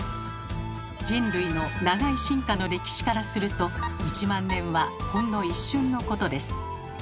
人類の長い進化の歴史からすると１万年はほんの一瞬のことです。